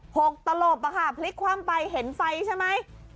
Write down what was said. หกตลบอะค่ะพลิกคว่ำไปเห็นไฟใช่ไหม